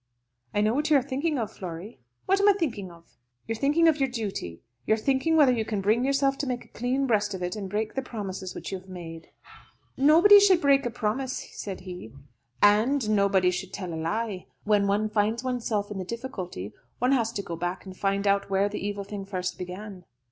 "I know what you are thinking of, Flory." "What am I thinking of?" "You're thinking of your duty; you are thinking whether you can bring yourself to make a clean breast of it, and break the promises which you have made." "Nobody should break a promise," said he. "And nobody should tell a lie. When one finds oneself in the difficulty one has to go back and find out where the evil thing first began."